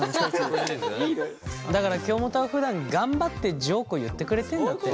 だから京本はふだん頑張ってジョークを言ってくれてんだって。